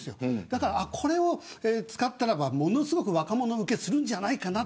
だから、これを使ったらばものすごく若者受けするんじゃないかな。